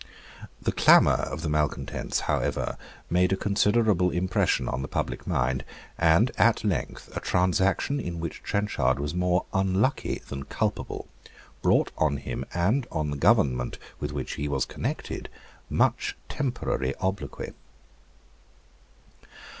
The clamour of the malecontents however made a considerable impression on the public mind; and at length, a transaction in which Trenchard was more unlucky than culpable, brought on him and on the government with which he was connected much temporary obloquy.